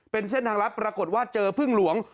เป็นเส้นทางลับปรากฏว่าเจอพึ่งหลวง